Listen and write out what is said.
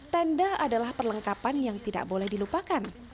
tenda adalah perlengkapan yang tidak boleh dilupakan